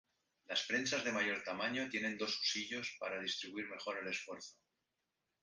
Las prensas de mayor tamaño tienen dos husillos para distribuir mejor el esfuerzo.